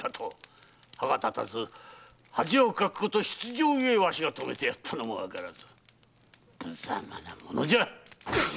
歯が立たず恥をかくこと必定ゆえわしがとめてやったのもわからず無様なものじゃ！